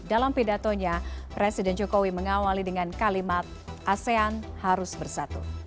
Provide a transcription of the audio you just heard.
dalam pidatonya presiden jokowi mengawali dengan kalimat asean harus bersatu